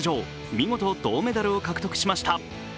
見事、銅メダルを獲得しました。